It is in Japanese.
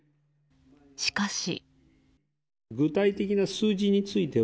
しかし。